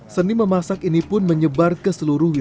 seni memasak ini pun menyebar ke seluruh wilayah